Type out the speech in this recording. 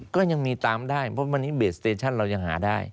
ก็ยังมีตามได้เพราะวันนี้เบสเตชั่นเรายังหาได้